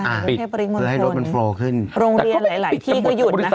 อ่าปิดเพื่อให้รถมันโฟล์ขึ้นโรงเรียนหลายที่ก็หยุดนะคะ